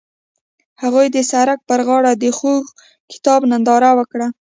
هغوی د سړک پر غاړه د خوږ کتاب ننداره وکړه.